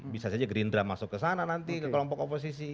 bisa saja gerindra masuk ke sana nanti ke kelompok oposisi